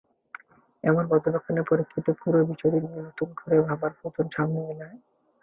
এমন পর্যবেক্ষণের পরিপ্রেক্ষিতে পুরো বিষয়টি নিয়ে নতুন করে ভাবার প্রয়োজন সামনে চলে আসে।